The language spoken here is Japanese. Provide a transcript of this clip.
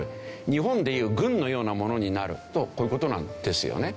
日本でいう郡のようなものになるとこういう事なんですよね。